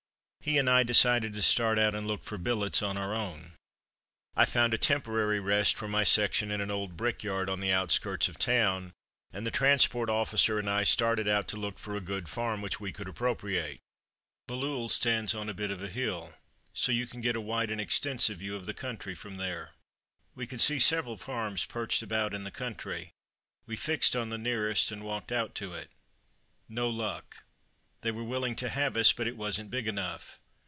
He and I decided to start out and look for billets on our own. I found a temporary rest for my section in an old brickyard on the outskirts of the town, and the transport officer and I started out to look for a good farm which we could appropriate. Bailleul stands on a bit of a hill, so you can get a wide and extensive view of the country from there. We could see several farms perched about in the country. We fixed on the nearest, and walked out to it. No luck; they were willing to have us, but it wasn't big enough.